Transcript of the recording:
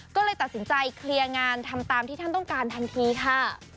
ก็เลยตัดสินใจเคลียร์งานทำตามที่ท่านต้องการทันทีค่ะ